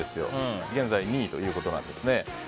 現在２位ということなんです。